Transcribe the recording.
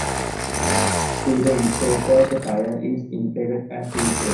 Through the inflator the tire is inflated as usual.